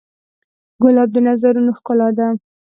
ګلاب د نظرونو ښکلا ده.